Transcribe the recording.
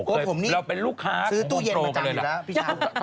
โอ้ผมนี่ซื้อตู้เย็นประจำอยู่แล้วพี่เช้า